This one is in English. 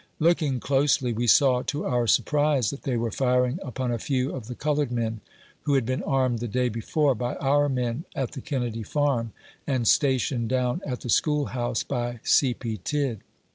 Looking closely, we saw, to our surprise, that they were firing upon a few of the colored men, who had been armed the day before by our men, at the Kennedy Farm, and stationed down at the school house by C. P. Tidd.